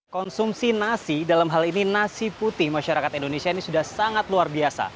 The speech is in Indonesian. konsumsi nasi dalam hal ini nasi putih masyarakat indonesia ini sudah sangat luar biasa